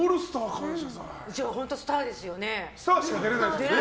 じゃあ本当スターですよね。